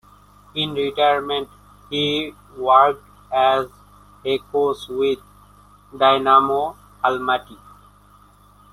In retirement he worked as a coach with Dynamo Almaty.